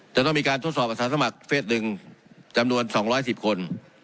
จะต้องมีการทดสอบอาสาสมัครเฟส๑จำนวน๒๑๐คน